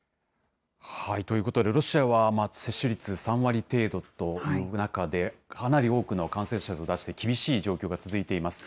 ということで、ロシアは接種率３割程度という中で、かなり多くの感染者を出して、厳しい状況が続いています。